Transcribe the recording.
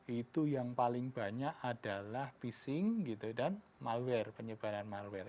itu yang paling banyak adalah phishing dan malware penyebaran malware